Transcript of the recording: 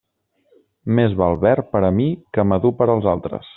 Més val verd per a mi que madur per als altres.